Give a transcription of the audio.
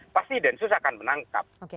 pasti densus akan menangkap